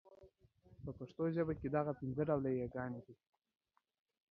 په پښتو ژبه کي دغه پنځه ډوله يې ګاني